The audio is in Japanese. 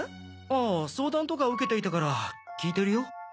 ああ相談とか受けていたから聞いてるよ。